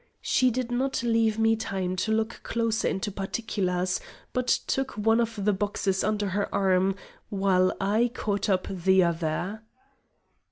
She did not leave me time to look closer into particulars, but took one of the boxes under her arm, while I caught up the other.